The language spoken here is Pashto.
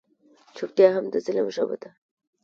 چوپتیا هم د ظلم ژبه ده.